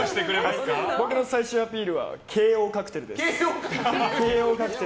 僕の最終アピールはＫＯカクテルです。